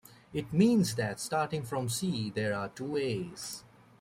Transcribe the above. It means that, starting from C, there are two A's.